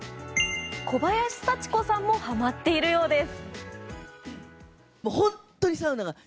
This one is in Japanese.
小林幸子さんもはまっているようです。